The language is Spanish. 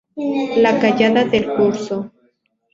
La callada del curso...